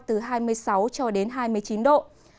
từ hai mươi sáu cho đến hai mươi chín độ